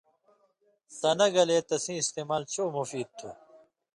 سݩدہ گلے تسیں استعمال چو مفید تُھو۔